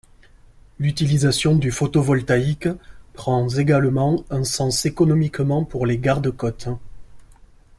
L’utilisation du photovoltaïque prends également un sens économiquement pour les garde-côtes.